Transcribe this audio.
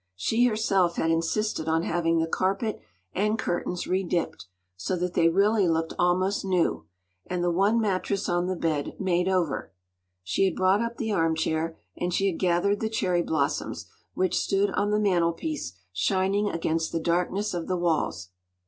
She herself had insisted on having the carpet and curtains redipped, so that they really looked almost new, and the one mattress on the bed “made over”; she had brought up the armchair, and she had gathered the cherry blossoms, which stood on the mantelpiece shining against the darkness of the walls.